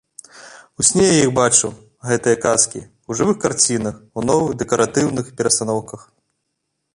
У сне я іх бачыў, гэтыя казкі, у жывых карцінах, у новых дэкаратыўных перастаноўках.